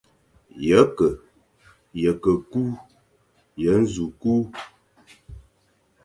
Ye ke, ye ke kü, ye nẑu kü,